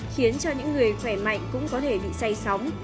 khiến cho những người khỏe mạnh cũng có thể bị say sóng